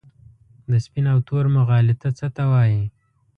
د سپین او تور مغالطه څه ته وايي؟